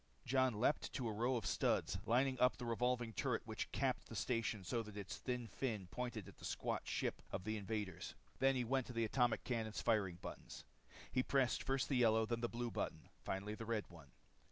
Jon leaped to a row of studs, lining up the revolving turret which capped the station so that its thin fin pointed at the squat ship of the invaders. Then he went to the atomic cannon's firing buttons. He pressed first the yellow, then the blue button. Finally the red one.